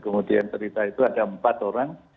kemudian cerita itu ada empat orang